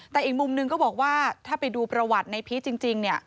แต่อีกมุมหนึ่งก็บอกว่าถ้าไปดูประวัติในพีชจริงเนี่ย